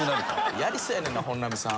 やりそうやねんな本並さん。